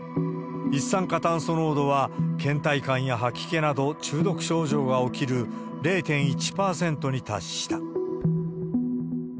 一酸化炭素濃度はけん怠感や吐き気など、中毒症状が起きる０．１％に達した。